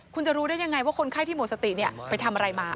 คุณจะรู้ได้ยังไงว่าคนไข้ที่หมดสติไปทำอะไรมา